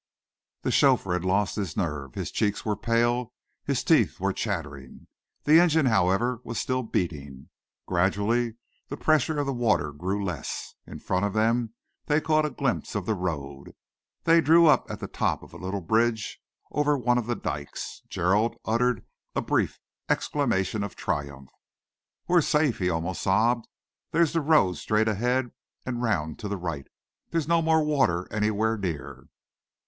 The chauffeur had lost his nerve. His cheeks were pale, his teeth were chattering. The engine, however, was still beating. Gradually the pressure of the water grew less. In front of them they caught a glimpse of the road. They drew up at the top of a little bridge over one of the dikes. Gerald uttered a brief exclamation of triumph. "We're safe!" he almost sobbed. "There's the road, straight ahead and round to the right. There's no more water anywhere near."